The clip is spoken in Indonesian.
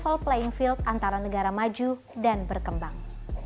dan level playing field antara negara maju dan berkembang